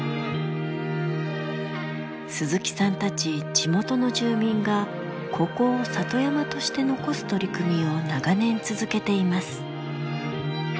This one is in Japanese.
鈴木さんたち地元の住民がここを里山として残す取り組みを長年続けています。